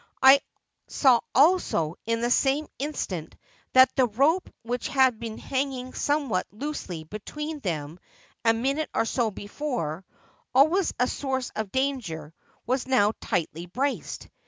I saw also in the same instant that the rope which had been hanging somewhat loosely between them a minute or so before — always a source of danger — was now tightly braced.